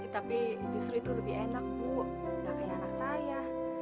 tapi justru itu lebih enak bu gak kayak anak saya